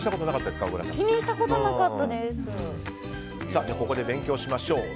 では、ここで勉強しましょう。